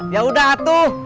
ya udah tuh